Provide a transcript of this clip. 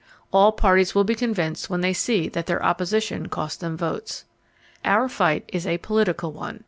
All parties will be convinced when they see that their opposition costs them votes. Our fight is a political one.